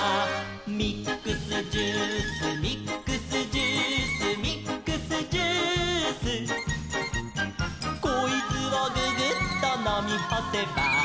「ミックスジュースミックスジュース」「ミックスジュース」「こいつをググッとのみほせば」